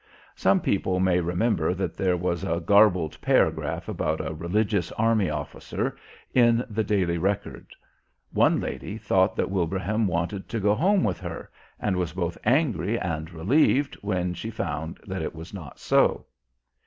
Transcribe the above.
Some people may remember that there was a garbled paragraph about a "Religious Army Officer" in the Daily Record. One lady thought that Wilbraham wanted to go home with her and was both angry and relieved when she found that it was not so.